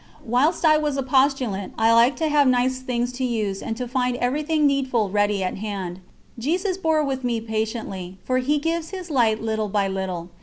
Whilst I was a postulant I liked to have nice things to use and to find everything needful ready to hand. Jesus bore with me patiently, for He gives His light little by little.